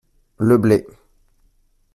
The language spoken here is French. Le blé.